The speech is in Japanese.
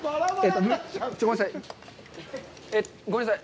ちょっとごめんなさい。